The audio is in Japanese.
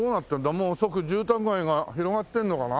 もう即住宅街が広がってるのかな。